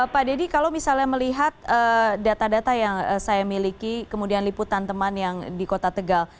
pak deddy kalau misalnya melihat data data yang saya miliki kemudian liputan teman yang di kota tegal